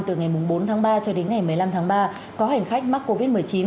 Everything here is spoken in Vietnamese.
từ ngày bốn tháng ba cho đến ngày một mươi năm tháng ba có hành khách mắc covid một mươi chín